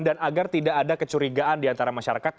dan agar tidak ada kecurigaan diantara masyarakat